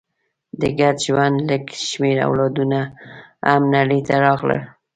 د ګډ ژوند لږ شمېر اولادونه هم نړۍ ته راغلل.